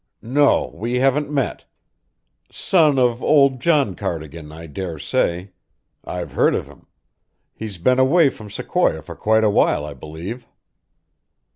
"No, we haven't met. Son of old John Cardigan, I dare say. I've heard of him. He's been away from Sequoia for quite a while, I believe."